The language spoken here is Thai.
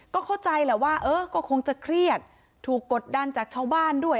ก็เข้าใจแหละว่าเออก็คงจะเครียดถูกกดดันจากชาวบ้านด้วย